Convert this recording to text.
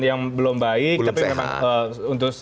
yang belum baik tapi memang untuk